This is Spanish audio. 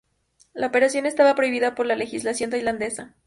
La operación estaba prohibida por la legislación tailandesa.